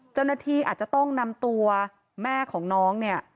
เจ้าหน้าที่อาจจะต้องนำตัวแม่ของน้องเนี่ย